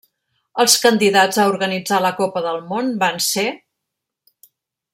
Els candidats a organitzar la copa del món van ser: